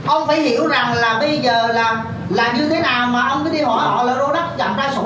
ông phải hiểu rằng là bây giờ là như thế nào mà ông cứ đi hỏi họ là lô đất chằm ra sổ cho họ